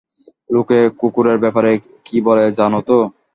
লোকে কুকুরের ব্যাপারে কী বলে জানো তো?